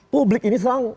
publik ini selang